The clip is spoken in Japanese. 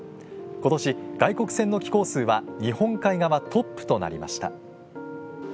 今年、外国船の寄港数は日本海側トップとなりました。